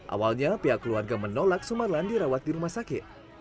awalnya pihak keluarga menolak sumarlan dirawat di rumah sakit